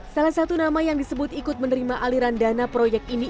salah satu nama yang disebut ikut menerima aliran dana proyek ini